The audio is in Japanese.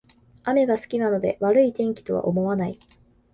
雨が好きなので悪い天気とは思わない